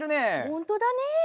ほんとだね！